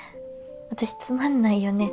私つまんないよね？